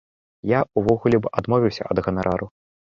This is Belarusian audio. Я ўвогуле б адмовіўся ад ганарару.